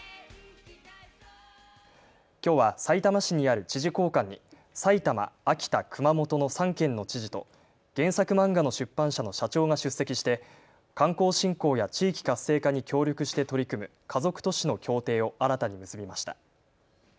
きょうは、さいたま市にある知事公館に埼玉、秋田、熊本の３県の知事と原作漫画の出版社の社長が出席して観光振興や地域活性化に協力して取り組む家族都市の協定を新たに結びました。